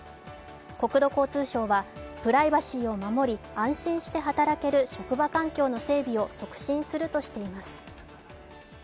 国土交通省はプライバシーを守り安心して働ける職場環境の整備を促進するとしています。